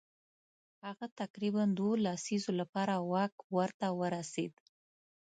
هغه تقریبا دوو لسیزو لپاره واک ورته ورسېد.